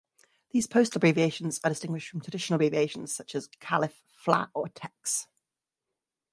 These postal abbreviations are distinguished from traditional abbreviations such as Calif., Fla., or Tex.